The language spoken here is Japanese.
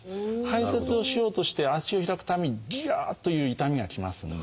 排せつをしようとして足を開くたんびにギャという痛みがきますんで。